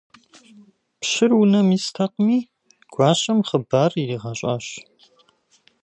Пщыр унэм истэкъыми, гуащэм хъыбар иригъэщӏащ.